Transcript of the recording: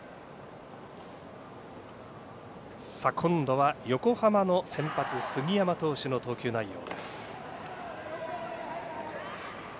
今度は横浜の先発杉山投手の投球内容です。